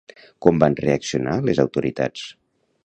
Com van reaccionar les autoritats?